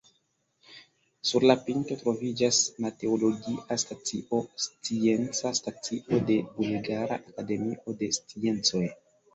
Sur la pinto troviĝas meteologia stacio, scienca stacio de Bulgara Akademio de Sciencoj.